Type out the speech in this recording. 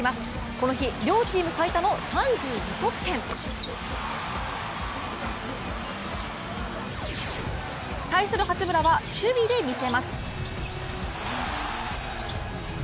この日、両チーム最多の３２得点。対する八村は守備で見せます。